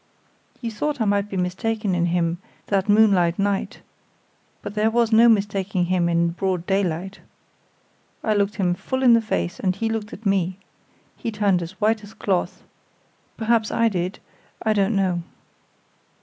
"You thought I might be mistaken in him that moonlight night, but there was no mistaking him in broad daylight. I looked him full in the face, and he looked at me. He turned as white as cloth. Perhaps I did I don't know."